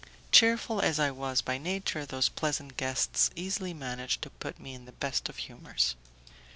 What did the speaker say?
Cheerful as I was by nature, those pleasant guests easily managed to put me in the best of humours.